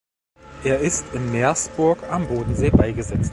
Er ist in Meersburg am Bodensee beigesetzt.